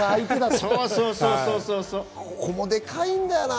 そこもでかいんだよな。